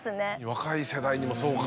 若い世代にもそうか。